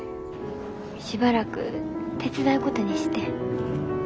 しばらく手伝うことにしてん。